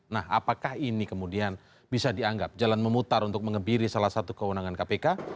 nah apakah ini kemudian bisa dianggap jalan memutar untuk mengebiri salah satu kewenangan kpk